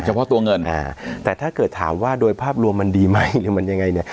เพราะตัวเงินแต่ถ้าเกิดถามว่าโดยภาพรวมมันดีไหมหรือมันยังไงเนี่ย